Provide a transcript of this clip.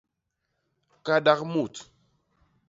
Kadak mut.